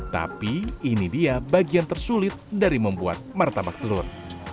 tapi ini dia bagian tersulit dari membuat martabak telur